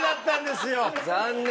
残念。